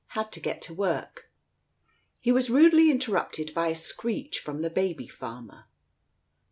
Had to get to work " He was rudely interrupted by a screech from the baby farmer.